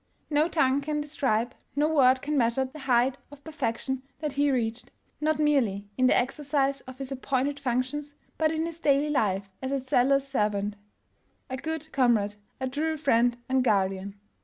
No tongue can describe, no word can measure the height of perfection that he reached — not merely in the exercise of his appointed functions but in his daily life as a zealous servant, a good comrade, a true friend and guardian.